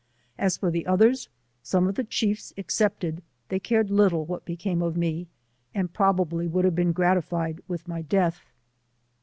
As for the others. 6S some of the chiefs excepted, they caved little what became of me, and probably would have beea gra tified with my death.